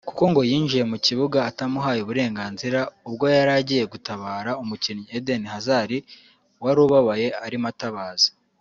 kuko ngo yinjiye mu kibuga atamuhaye uburenganzira ubwo yari agiye gutabara umukinnyi Eden Hazard wari ubabaye arimo atabaza